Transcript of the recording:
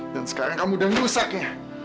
dan sekarang kamu udah nusaknya